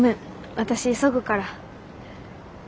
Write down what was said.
私急ぐから。